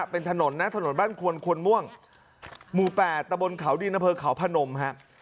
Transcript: เป็นถนนนะถนนบ้านควนควนม่วงหมู่แปดตะบนเขาดีนเทอร์เขาพนมครับ